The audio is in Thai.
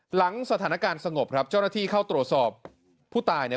หลังสถานการณ์สงบครับเจ้าหน้าที่เข้าตรวจสอบผู้ตายเนี่ย